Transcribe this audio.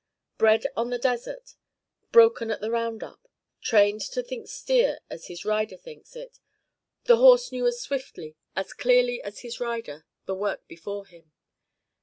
Bred on the desert, broken at the round up, trained to think steer as his rider thinks it, the horse knew as swiftly, as clearly as his rider, the work before him.